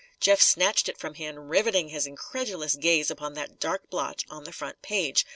Jeff snatched it from him, riveting his incredulous gaze upon that dark blotch on the front page.